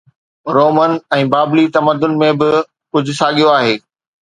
Roman ۽ بابلي تمدن ۾ به ڪجهه ساڳيو آهي